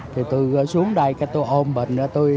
thì tôi xuống đây tôi ôm bệnh